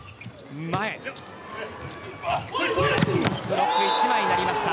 ブロック１枚になりました。